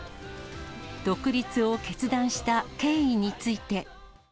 独立を決断した経緯について。